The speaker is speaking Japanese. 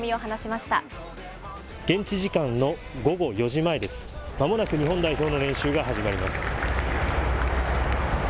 まもなく日本代表の練習が始まり